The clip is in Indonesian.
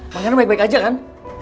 makanya baik baik aja kan